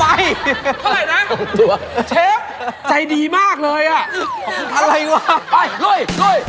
เท่าไหร่นะเชฟใจดีมากเลยอ่ะอะไรวะไปลุย